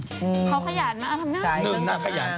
เขาพยายามมาทำงาน